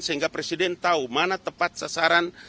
sehingga presiden tahu mana tepat sasaran